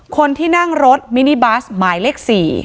คนที่นั่งรถมินิบัสหมายเลข๔